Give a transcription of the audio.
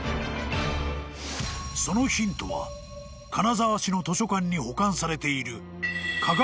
［そのヒントは金沢市の図書館に保管されている］